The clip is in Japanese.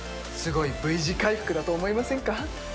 すごいＶ字回復だと思いませんか？